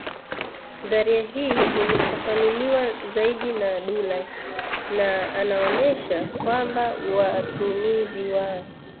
Nadharia hii imefafanuliwa zaidi na Dulay na anaonyesha kwamba watumizi wa